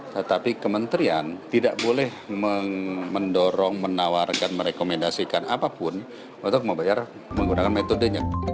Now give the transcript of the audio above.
tetapi kementerian tidak boleh mendorong menawarkan merekomendasikan apapun untuk membayar menggunakan metodenya